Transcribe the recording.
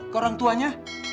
ke orang tuanya